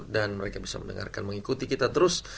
dan mereka bisa mendengarkan mengikuti kita terus